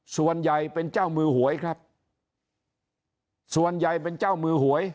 ส่วนใหญ่เป็นเจ้ามือหวยครับส่วนใหญ่เป็นเจ้ามือหวย